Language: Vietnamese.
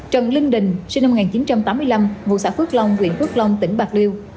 trần linh đình sinh năm một nghìn chín trăm tám mươi năm ngụ xã phước long huyện phước long tỉnh bạc liêu